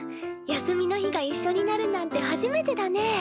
休みの日がいっしょになるなんて初めてだねえ。